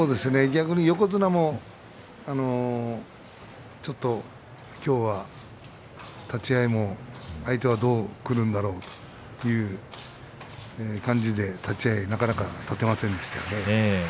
逆に横綱も、きょうは立ち合い、相手はどうくるんだろうという感じでなかなか立てませんでした。